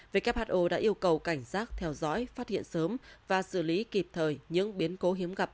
who đã yêu cầu cảnh giác theo dõi phát hiện sớm và xử lý kịp thời những biến cố hiếm gặp